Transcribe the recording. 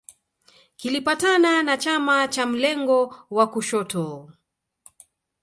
Kilipatana na chama cha mlengo wa kushoto